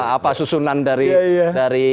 apa susunan dari